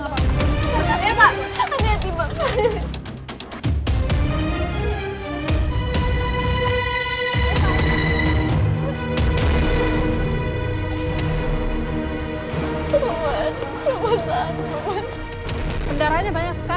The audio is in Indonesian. aku bukanlah dewa ku hanya manusia